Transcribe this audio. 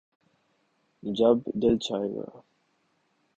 جب دل چاھے گا